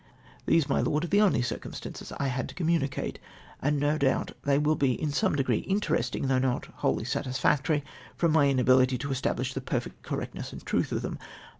These, my Lord, are the only circumstances I had to communicate, and ao doul)t they will be in some degree interesting, though not n^holly satisftxctor}^, from my inability to establish the perfect correctness and truth of them.